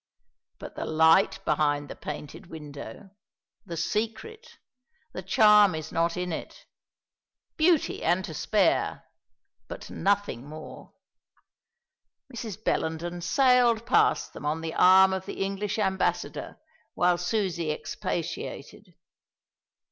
But the light behind the painted window, the secret, the charm is not in it. Beauty and to spare, but nothing more." Mrs. Bellenden sailed past them on the arm of the English Ambassador while Susie expatiated.